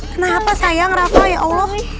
kenapa sayang rafa ya allah